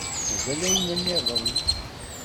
Mazal ayen-nniḍen.